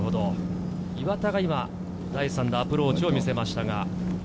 岩田が第３打のアプローチを見せました。